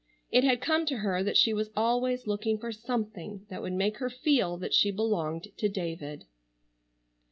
It had come to her that she was always looking for something that would make her feel that she belonged to David.